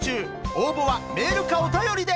応募はメールかお便りで！